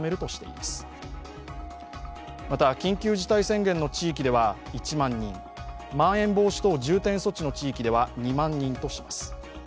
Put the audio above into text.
また、緊急事態宣言の地域では１万人、まん延防止等重点措置の地域では２万人とします。